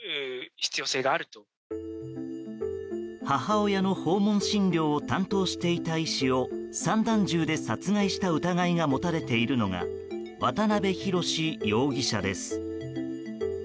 母親の訪問診療を担当していた医師を散弾銃で殺害した疑いが持たれているのが渡辺宏容疑者です。